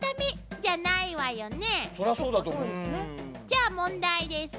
じゃあ問題です。